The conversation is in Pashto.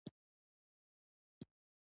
زما په ذهن کې هر وخت دغه خبرې تېرېدې